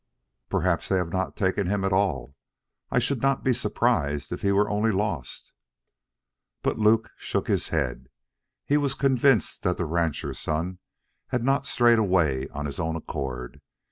"Perhaps they have not taken him at all. I should not be surprised if he were only lost." But Luke shook his head. He was convinced that the rancher's son had not strayed away of his own accord.